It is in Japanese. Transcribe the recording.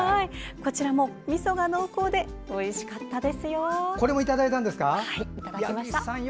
こちらも、みそが濃厚でおいしかったですよ。